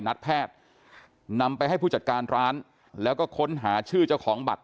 นัดแพทย์นำไปให้ผู้จัดการร้านแล้วก็ค้นหาชื่อเจ้าของบัตร